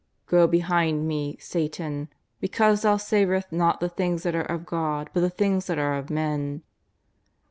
''^' Go behind Me, Satan ! because thou savourest not the things that are of God but the things that are of men."